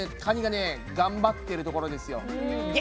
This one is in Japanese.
カニがね頑張ってるところですよ。